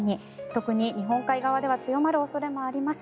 特に日本海側では強まる恐れもあります。